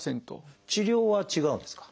治療は違うんですか？